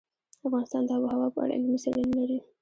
افغانستان د آب وهوا په اړه علمي څېړنې لري.